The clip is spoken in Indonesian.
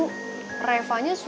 masalahnya pertanyaannya cuma satu